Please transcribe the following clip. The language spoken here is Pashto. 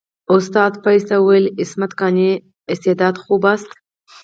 استاد فایز ته وویل عصمت قانع استعداد خوب است.